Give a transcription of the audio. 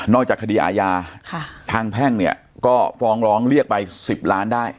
โน้ยจากคดีอายาค่ะทางแพ่งเนี้ยก็ฟองร้องเรียกไปสิบล้านได้